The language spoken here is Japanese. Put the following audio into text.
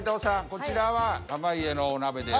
こちらは濱家のお鍋です。